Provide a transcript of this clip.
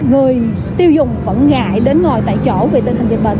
người tiêu dùng vẫn ngại đến ngồi tại chỗ vì tình hình dịch bệnh